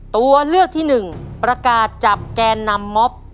ตัวเลือกที่หนึ่งประกาศจับแกนนำม็อบ